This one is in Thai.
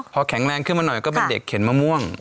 พอแข็งแรงขึ้นมาหน่อยก็เป็นเด็กเข็นมะม่วง